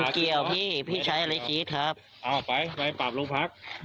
มันเกี่ยวพี่พี่ใช้อะไรขี้ครับเอาไปไปปรับลูกพัก